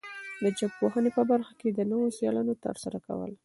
د ژبپوهنې په برخه کې د نویو څېړنو ترسره کول